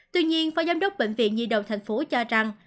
tuy nhiên phó giám đốc bệnh viện nhi đồng thành phố cho rằng